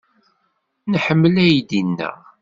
Nḥemmel aydi-nneɣ.